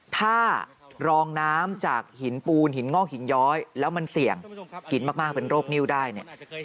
ถ้ารองน้ำจากหินปูนหินงอกหินย้อยแล้วมันเสี่ยงกินมากเป็นโรคนิ้วได้เนี่ย